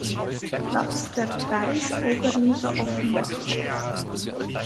Platz der Kreisoberliga Offenbach.